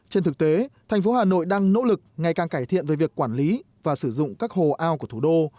trên thực tế thành phố hà nội đang nỗ lực ngày càng cải thiện về việc quản lý và sử dụng các hồ ao của thủ đô